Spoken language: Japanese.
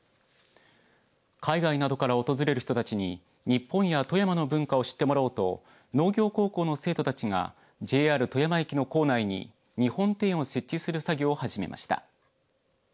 海外などから訪れる人たちに日本や富山の文化を知ってもらおうと農業高校の生徒たちがＪＲ富山駅の構内に日本庭園を設置する作業を始めました。